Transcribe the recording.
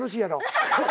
ハハハ！